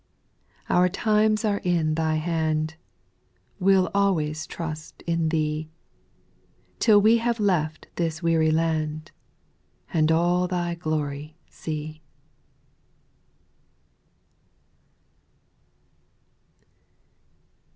5. Our times are in Thy hand ; We'll always trust in Thee, Till we have left this weary land, And all Thy glory see.